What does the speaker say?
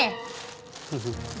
nih buat akang nih